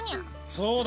・そうだ。